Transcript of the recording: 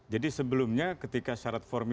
jadi sebelumnya ketika syarat formil